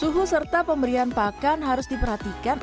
suhu serta pemberian pakan harus diperhatikan